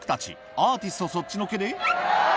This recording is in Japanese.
アーティストそっちのけで。